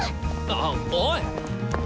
あおい！